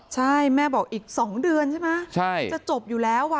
ใช่แม่บอกอีก๒เดือนใช่ไหมจะจบอยู่แล้ว